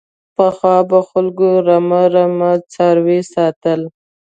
پخوا به خلکو رمه رمه څاروي ساتل.